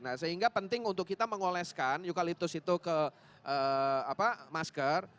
nah sehingga penting untuk kita mengoleskan eukaliptus itu ke masker